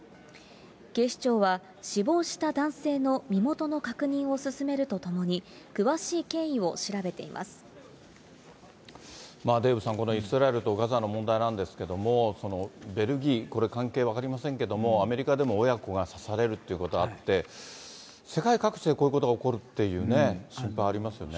警視庁は、死亡した男性の身元の確認を進めるとともに、詳しい経緯を調べてデーブさん、このイスラエルとガザの問題なんですけれども、ベルギー、これ関係分かりませんけども、アメリカでも親子が刺されるということがあって、世界各地でこういうことが起こるっていうね、心配ありますよね。